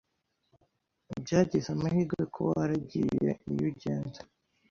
Byagize amahirwe kuba waragiye iyo ugenda.